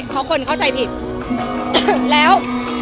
เพราะคนเข้าใจผิดถึงแล้ว